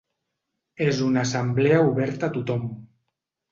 És una assemblea oberta a tothom.